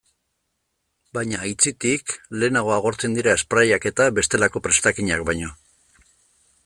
Baina, aitzitik, lehenago agortzen dira sprayak eta bestelako prestakinak baino.